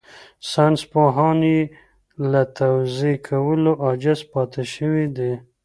ساينسپوهان يې له توضيح کولو عاجز پاتې شوي دي.